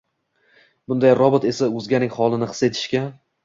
Bunday «robot» esa o‘zganing holini his etishga